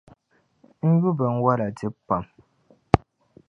N yu binwola dibu pam.